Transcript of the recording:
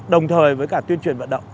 đồng thời với cả tuyên truyền vận động